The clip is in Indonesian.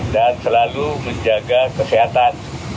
selalu menjaga kesehatan